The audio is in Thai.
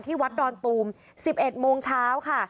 ที่วัดดอนตูมสิบเอ็ดโมงเช้าค่ะ